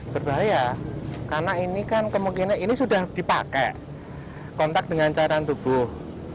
berbahaya karena ini kan kemungkinan ini sudah dipakai kontak dengan cairan tubuh